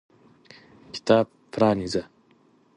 کتاب پرانیزه !